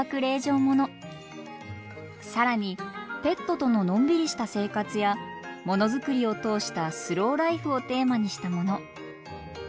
更にペットとののんびりした生活や物づくりをとおしたスローライフをテーマにしたもの。